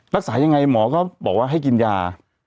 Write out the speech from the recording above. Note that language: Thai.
รักษายังไงหมอก็บอกว่าให้กินยา